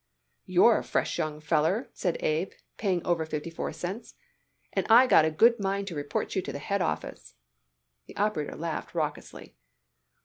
"You're a fresh young feller," said Abe, paying over fifty four cents, "and I got a good mind to report you to the head office." The operator laughed raucously.